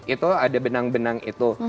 itu ada benang benang itu